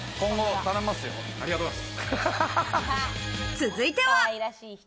続いては。